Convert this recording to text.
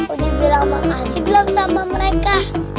udah bilang makasih belum sama mereka